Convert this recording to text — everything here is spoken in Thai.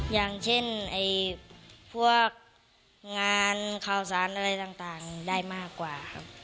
อย่างเช่นพวกงานข่าวสารอะไรต่างได้มากกว่าครับ